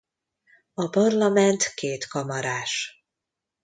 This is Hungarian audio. A parlament kétkamarás.